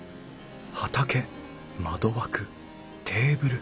畑窓枠テーブル。